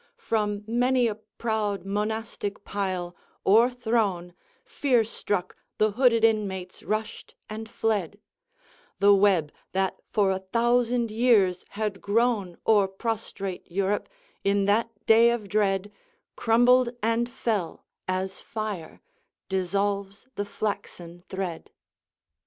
From many a proud monastic pile, o'erthrown, Fear struck, the hooded inmates rushed and fled; The web, that for a thousand years had grown O'er prostrate Europe, in that day of dread Crumbled and fell, as fire dissolves the flaxen thread.